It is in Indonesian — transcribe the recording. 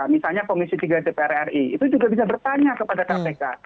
misalnya komisi tiga dpr ri itu juga bisa bertanya kepada kpk